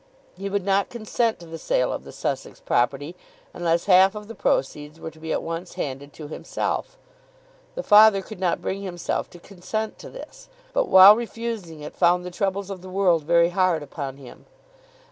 He would not consent to the sale of the Sussex property unless half of the proceeds were to be at once handed to himself. The father could not bring himself to consent to this, but, while refusing it, found the troubles of the world very hard upon him.